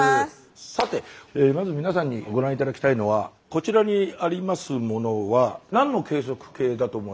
さてまず皆さんにご覧頂きたいのはこちらにありますものは何の計測計だと思われますか？